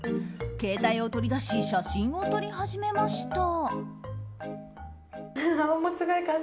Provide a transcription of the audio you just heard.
携帯を取り出し写真を撮り始めました。